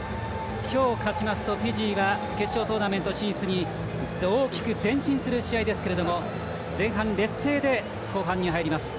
今日、勝ちますとフィジーは決勝トーナメント進出大きく前進する試合ですが前半、劣勢で後半に入ります。